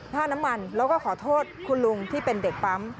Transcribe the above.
ค่าน้ำมันแล้วก็ขอโทษคุณลุงที่เป็นเด็กปั๊ม